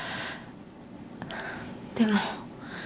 でも。